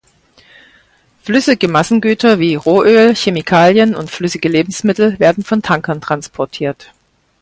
Flüssige Massengüter wie Rohöl, Chemikalien und flüssige Lebensmittel werden von Tankern transportiert.